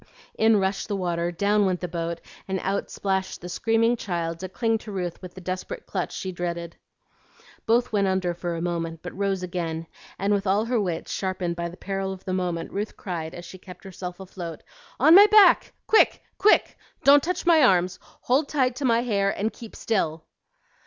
In rushed the water, down went the boat, and out splashed the screaming child to cling to Ruth with the desperate clutch she dreaded. Both went under for a moment, but rose again; and with all her wits sharpened by the peril of the moment, Ruth cried, as she kept herself afloat, "On my back, quick! quick! Don't touch my arms; hold tight to my hair, and keep still."